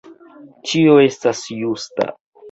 Tio estas justa.